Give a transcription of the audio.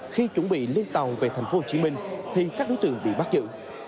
khi chuẩn bị lên tàu về thành phố hồ chí minh thì các đối tượng bị bắt giữ